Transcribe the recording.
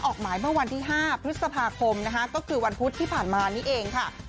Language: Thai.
ออกหมายเมื่อวันที่๕พฤษภาคมนะคะก็คือวันพุธที่ผ่านมานี่เองค่ะ